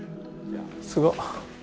すごっ。